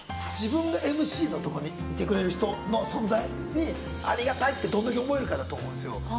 自分がＭＣのところにいてくれる人の存在に、ありがたいってどれだけ思えるかっていうことだと思うんですよ。